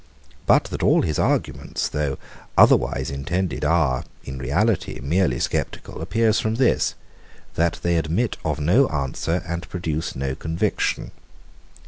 But that all his arguments, though otherwise intended, are, in reality, merely sceptical, appears from this, that they admit of no answer and produce no conviction.